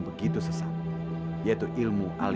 mohon ampun padamu